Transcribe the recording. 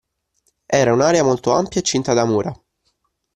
Era un'area molto ampia e cinta da mura.